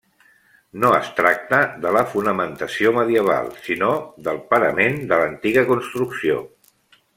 No es tracta de la fonamentació medieval, sinó del parament de l'antiga construcció.